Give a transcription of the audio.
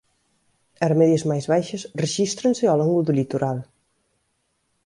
As medias máis baixas rexístranse ao longo do litoral.